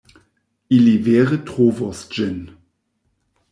Ili vere trovos ĝin.